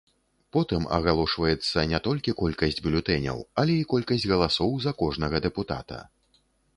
Потым агалошваецца не толькі колькасць бюлетэняў, але і колькасць галасоў за кожнага дэпутата.